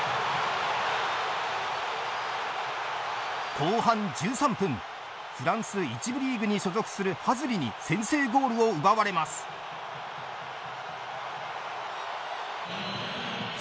後半１３分フランス１部リーグに所属するハズリに先制ゴールを奪われます。